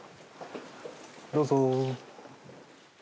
どうぞ。